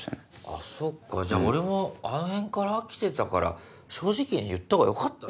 あっそっかじゃあ俺もあのへんから飽きてたから正直に言ったほうがよかった。